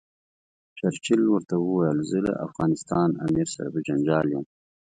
چرچل ورته وویل زه له افغانستان امیر سره په جنجال یم.